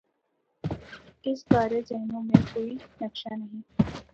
اس بارے ذہنوں میں کوئی نقشہ نہیں۔